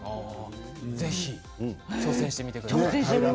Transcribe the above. ぜひ挑戦してみてください。